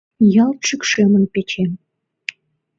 Ялт шӱкшемын печем.